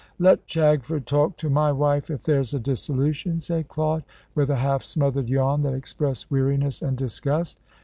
"Let Chagford talk to my wife, if there's a dissolution," said Claude, with a half smothered yawn that expressed weariness and disgust.